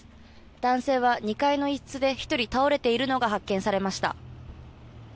男性は２階の一室で１人倒れているのが発見されました。